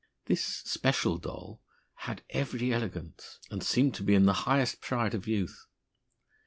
This special doll had every elegance, and seemed to be in the highest pride of youth.